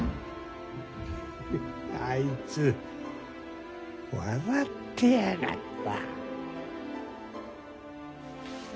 あいつ笑ってやがった。